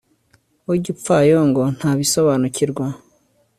uw'igipfayongo ntabisobanukirwa